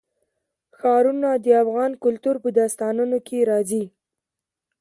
ښارونه د افغان کلتور په داستانونو کې راځي.